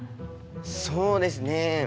そうですね。